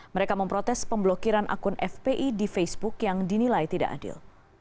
mereka memprotes pemblokiran akun fpi di facebook yang dinilai tidak adil